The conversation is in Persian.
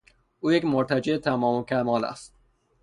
او یک مرتجع تمام و کمال است.